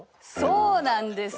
そうなんです。